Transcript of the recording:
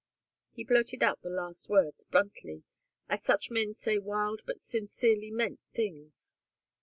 He blurted out the last words bluntly, as such men say wild but sincerely meant things.